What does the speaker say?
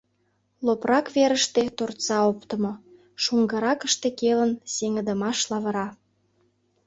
Лопрак верыште торца оптымо, шуҥгыракыште келын сеҥыдымаш лавыра.